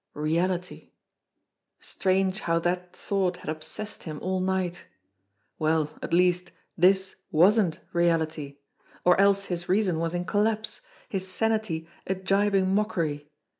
Reality ! Strange how that thought had obsessed him all night. Well, at least, this wasn't reality or else his reason was in collapse, his sanity a gibing mockery.